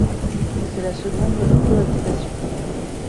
C'est la seconde cohabitation.